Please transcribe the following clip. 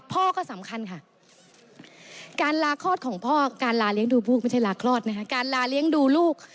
พ่อก็สำคัญค่ะการลาคลอดของพ่อการลาเลี้ยงดูลูก